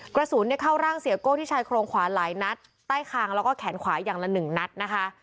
กระสุนเข้าร่างเสียโก้ที่ชายโครงขวาหลายนัดใต้คางแล้วก็แขนขวาอย่างละหนึ่งนัดนะคะ